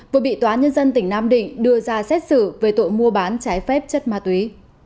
vừa bị tòa nhân dân tỉnh nam định đưa ra xét xử về tội mua bán trái phép chất ma túy